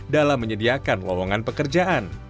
dalam menyediakan lowongan pekerjaan